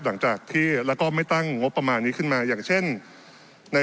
หลังจากที่แล้วก็ไม่ตั้งงบประมาณนี้ขึ้นมาอย่างเช่นใน